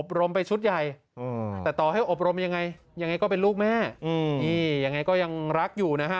ไปชุดใหญ่แต่ต่อให้อบรมยังไงยังไงก็เป็นลูกแม่นี่ยังไงก็ยังรักอยู่นะฮะ